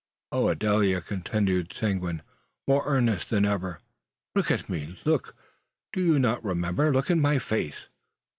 "Oh, Adele!" continues Seguin, more earnest than ever, "look at me! look! Do you not remember? Look in my face!